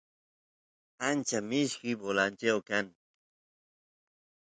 ancha mishki bolanchau kan